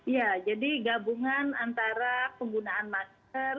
ya jadi gabungan antara penggunaan masker